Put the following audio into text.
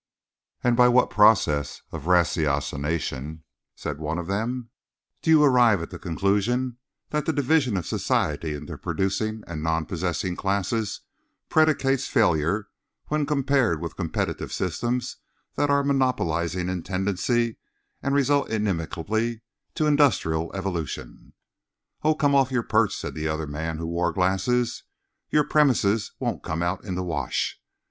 "And by what process of ratiocination," said one of them, "do you arrive at the conclusion that the division of society into producing and non possessing classes predicates failure when compared with competitive systems that are monopolizing in tendency and result inimically to industrial evolution?" "Oh, come off your perch!" said the other man, who wore glasses. "Your premises won't come out in the wash.